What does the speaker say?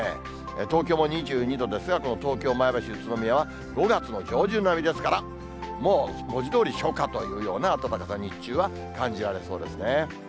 東京も２２度ですが、この東京、前橋、宇都宮は５月の上旬並みですから、もう文字どおり初夏というような暖かさ、日中は感じられそうですね。